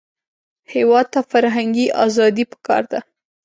هېواد ته فرهنګي ازادي پکار ده